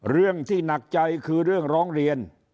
เรื่องที่หนักใจคือเรื่องร้องเรียน